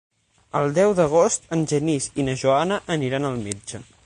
El deu d'agost en Genís i na Joana aniran al metge.